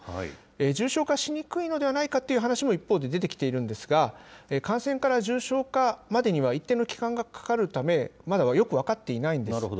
重症化しにくいのではないかという話も一方で出てきているんですが、感染から重症化までには、一定の期間がかかるため、まだよくなるほど。